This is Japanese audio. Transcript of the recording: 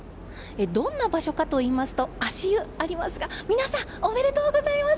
どんな場所かといいますと足湯ありますが皆さん、おめでとうございます。